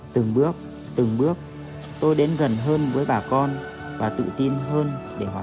từng bước từng bước tôi đến gần hàng nhiệm